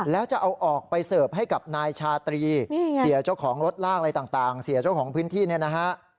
แล้วจะเอาออกไปเสิร์ฟให้กับนายชาตรีเสียเจ้าของรถลากอะไรต่างเสียเจ้าของพื้นที่เนี่ยนะฮะ